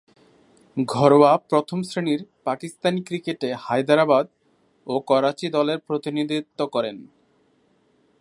ঘরোয়া প্রথম-শ্রেণীর পাকিস্তানি ক্রিকেটে হায়দ্রাবাদ ও করাচি দলের প্রতিনিধিত্ব করেন।